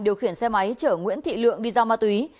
điều khiển xe máy chở nguyễn thị lượng đi giao ma túy